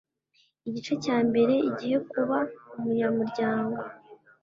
Igice cya mbere Igihe kuba umunyamuryango